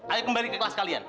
ayo kembali ke kelas kalian